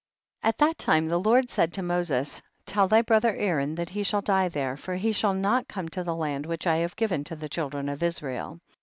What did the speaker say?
30. At that lime the Lord said to Moses, tell thy brother Aaron that he shall die there, for he shall not come to the land which I have given to the children of Israel.